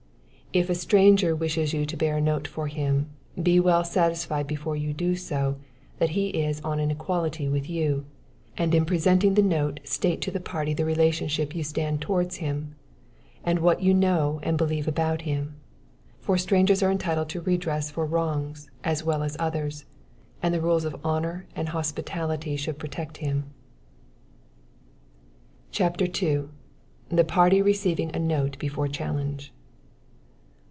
If a stranger wishes you to bear a note for him, be well satisfied before you do so, that he is on an equality with you; and in presenting the note state to the party the relationship you stand towards him, and what you know and believe about him; for strangers are entitled to redress for wrongs, as well as others, and the rules of honor and hospitality should protect him. CHAPTER II. The Party Receiving a Note Before Challenge.